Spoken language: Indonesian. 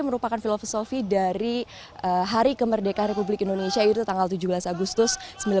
merupakan filosofi dari hari kemerdekaan republik indonesia yaitu tanggal tujuh belas agustus seribu sembilan ratus empat puluh